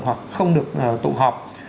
hoặc không được tụ họp